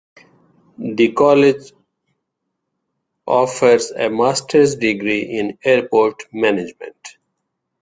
The college offers a master's degree in Airport Management.